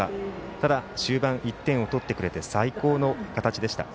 ただ、終盤１点を取ってくれて最高の形でした。